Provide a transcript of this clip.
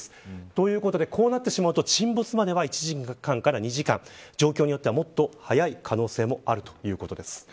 ということでこうなってしまうと沈没までは１時間から２時間状況によっては、もっと早い可能性もあるということです。